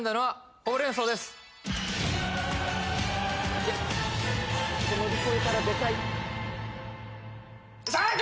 ここ乗り越えたらでかい正解！